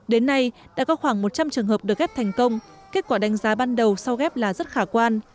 đến nay đã có khoảng một trăm linh trường hợp được ghép thành công kết quả đánh giá ban đầu sau ghép là rất khả quan